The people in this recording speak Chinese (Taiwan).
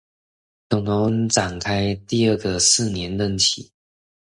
總統展開第二個四年任期